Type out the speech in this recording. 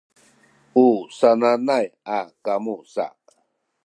u sananay a kamu sa